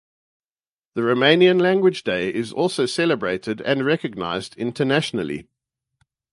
The Romanian Language Day is also celebrated and recognized internationally.